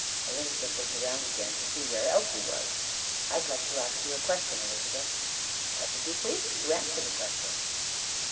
Elizabeth looked around again to see where Elsie was. "I'd like to ask you a question, Elizabeth." "I should be pleased to answer the question."